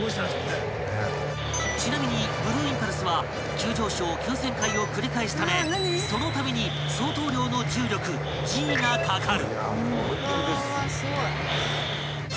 ［ちなみにブルーインパルスは急上昇急旋回を繰り返すためそのたびに相当量の重力Ｇがかかる］